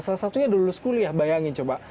salah satunya lulus kuliah bayangin coba